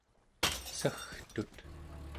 sagtut